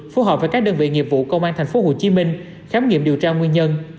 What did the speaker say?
phù hợp với các đơn vị nghiệp vụ công an thành phố hồ chí minh khám nghiệm điều tra nguyên nhân